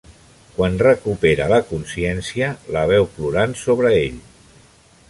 Quan recupera la consciència, la veu plorant sobre ell.